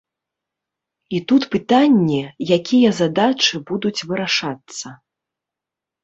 І тут пытанне, якія задачы будуць вырашацца.